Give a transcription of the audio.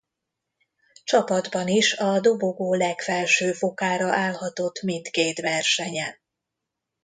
Csapatban is a dobogó legfelső fokára állhatott mindkét versenyen.